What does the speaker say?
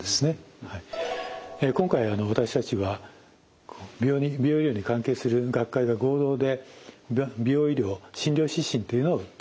今回私たちは美容医療に関係する学会が合同で「美容医療診療指針」というのを作りました。